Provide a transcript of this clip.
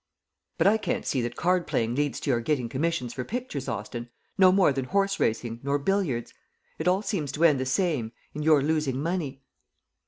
"But I can't see that card playing leads to your getting commissions for pictures, Austin, no more than horseracing nor billiards. It all seems to end the same in your losing money."